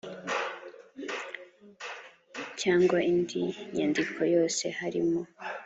cyangwa indi nyandiko yose harimo